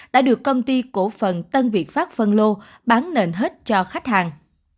đã được công ty cổ phần tân việt pháp phân lô bán nền hết cho khách hàng